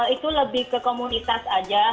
itu lebih ke komunitas aja